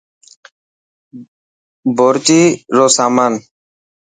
بورچي رو سامان.